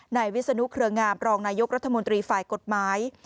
วิศนุเครืองามรองนายกรัฐมนตรีฝ่ายกฎหมาย